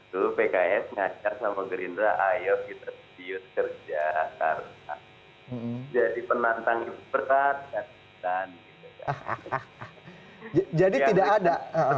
tuh pks ngajar sama gerindra ayo kita diut kerja karena jadi penantang itu berat jadi tidak ada